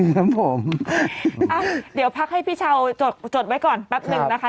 ครับผมอ่ะเดี๋ยวพักให้พี่เช้าจดจดไว้ก่อนแป๊บหนึ่งนะคะ